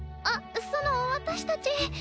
あっその私たち。